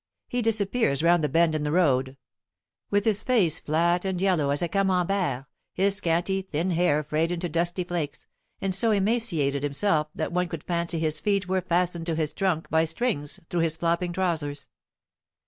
He disappears round the bend in the road, with his face flat and yellow as a Camembert, his scanty, thin hair frayed into dusty flakes, and so emaciated himself that one could fancy his feet were fastened to his trunk by strings through his flopping trousers.